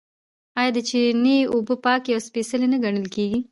آیا د چینې اوبه پاکې او سپیڅلې نه ګڼل کیږي؟